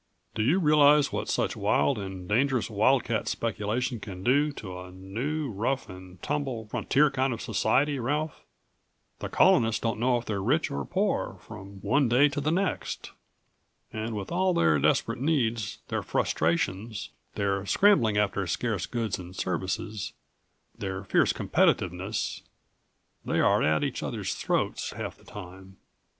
"Do you realize what such wild and dangerous wildcat speculation can do to a new, rough and tumble, frontier kind of society, Ralph? The colonists don't know whether they're rich or poor from one day to the next. And with all their desperate needs, their frustrations, their scrambling after scarce goods and services, their fierce competitiveness, they are at each other's throats half of the time."